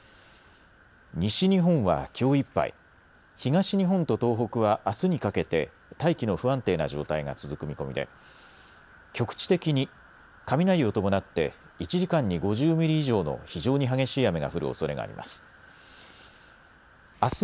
西日本はきょういっぱい、東日本と東北はあすにかけて大気の不安定な状態が続く見込みで局地的に雷を伴って１時間に５０ミリ以上の非常に激しい雨が降るおそれがあります。